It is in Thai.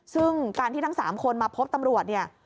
ซึ่งการที่ทั้ง๓คนมาพบตำรวจเนี่ย